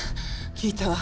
聞いたわ。